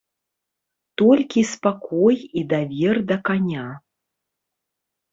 Толькі спакой і давер да каня.